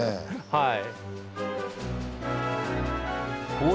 はい。